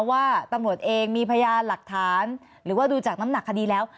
ว่าตำรวจเองมีพยานหลักฐานหรือว่าดูจากน้ำหนักคดีแล้ว